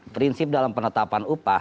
prinsip dalam penetapan upah